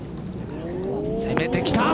攻めてきた。